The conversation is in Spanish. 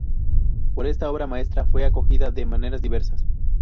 Pero esta obra maestra fue acogida de maneras diversas.